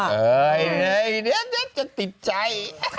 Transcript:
เฮ่ยจะติดใจ